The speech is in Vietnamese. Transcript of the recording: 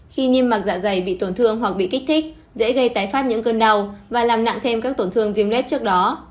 khi niêm mạc dạ dày bị tổn thương hoặc bị kích thích dễ gây tái phát những cơn đau và làm nặng thêm các tổn thương viêm lết trước đó